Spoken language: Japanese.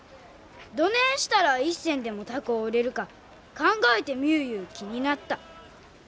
どねんしたら一銭でも高う売れるか考えてみゅういう気になった。